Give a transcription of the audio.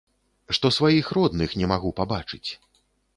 Што сваіх родных не магу пабачыць.